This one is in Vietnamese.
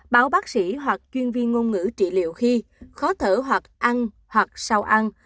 báo bác sĩ hoặc chuyên viên ngôn ngữ trị liệu khi khó thở hoặc ăn hoặc sau ăn